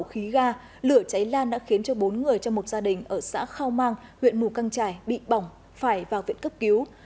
trong khi nổ khí gà lửa cháy lan đã khiến cho bốn người trong một gia đình ở xã khao mang huyện mù căng trải bị bỏng phải vào viện cấp cứu